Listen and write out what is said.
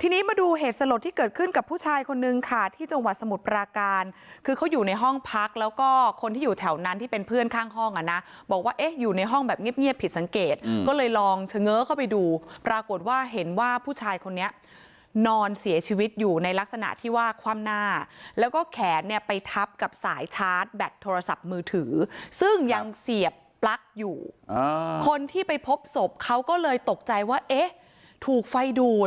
ทีนี้มาดูเหตุสลดที่เกิดขึ้นกับผู้ชายคนนึงค่ะที่จังหวัดสมุทรปราการคือเขาอยู่ในห้องพักแล้วก็คนที่อยู่แถวนั้นที่เป็นเพื่อนข้างห้องอ่ะนะบอกว่าเอ๊ะอยู่ในห้องแบบเงียบผิดสังเกตก็เลยลองเฉง้อเข้าไปดูปรากฏว่าเห็นว่าผู้ชายคนนี้นอนเสียชีวิตอยู่ในลักษณะที่ว่าคว่ำหน้าแล้วก็แขนเนี่ยไปทับกั